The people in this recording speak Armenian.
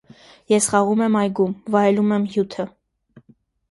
Ես խաղում եմ այգում, վայելում եմ հյութը։